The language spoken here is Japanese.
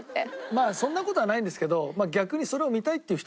まあそんな事はないんですけどはい。